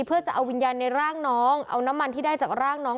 เพื่อจะเอาวิญญาณในร่างน้องเอาน้ำมันที่ได้จากร่างน้อง